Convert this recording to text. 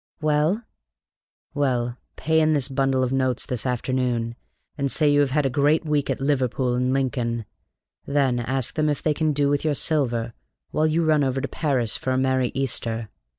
"Well?" "Well, pay in this bundle of notes this afternoon, and say you have had a great week at Liverpool and Lincoln; then ask them if they can do with your silver while you run over to Paris for a merry Easter.